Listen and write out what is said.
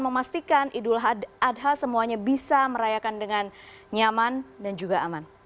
memastikan idul adha semuanya bisa merayakan dengan nyaman dan juga aman